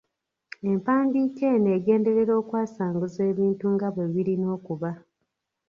Empandiika eno egenderera okwasanguza ebintu nga bwe birina okuba.